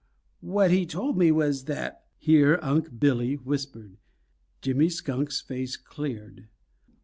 What he told me was that " Here Unc' Billy whispered. Jimmy Skunk's face cleared.